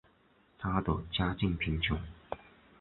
她的家境贫穷。